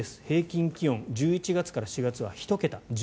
平均気温１１月から４月は１桁。